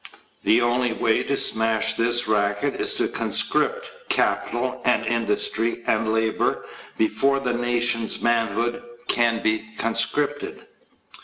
The only way to smash this racket is to conscript capital and industry and labor before the nations manhood can be conscripted.